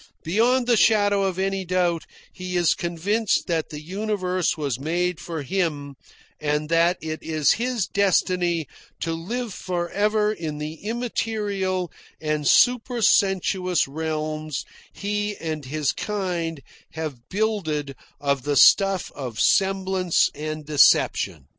Beyond the shadow of any doubt he is convinced that the universe was made for him, and that it is his destiny to live for ever in the immaterial and supersensuous realms he and his kind have builded of the stuff of semblance and deception.